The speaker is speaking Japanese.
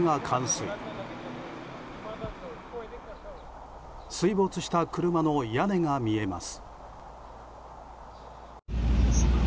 水没した車の屋根が見えます。